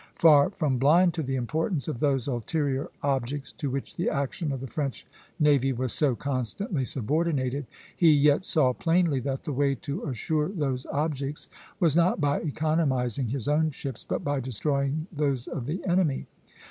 Far from blind to the importance of those ulterior objects to which the action of the French navy was so constantly subordinated, he yet saw plainly that the way to assure those objects was not by economizing his own ships, but by destroying those of the enemy.